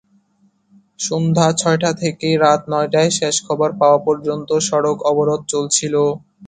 সন্ধ্যা ছয়টা থেকে রাত নয়টায় শেষ খবর পাওয়া পর্যন্ত সড়ক অবরোধ চলছিল।